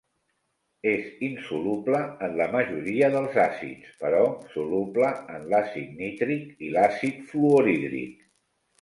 És insoluble en la majoria dels àcids, però soluble en l'àcid nítric i l'àcid fluorhídric.